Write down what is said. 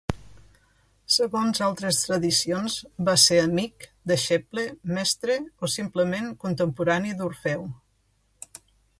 Segons altres tradicions va ser amic, deixeble, mestre, o simplement contemporani d'Orfeu.